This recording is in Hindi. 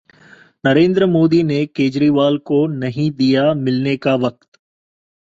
नरेंद्र मोदी ने केजरीवाल को नहीं दिया मिलने का वक्त